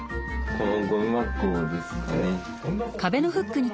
これゴミ箱ですね。